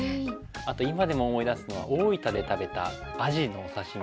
あと今でも思い出すのは大分で食べたアジのお刺身。